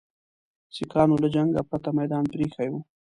سیکهانو له جنګه پرته میدان پرې ایښی وو.